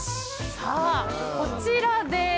さあこちらです。